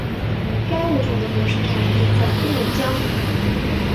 该物种的模式产地在黑龙江。